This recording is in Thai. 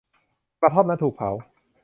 กระท่อมนั้นถูกเผา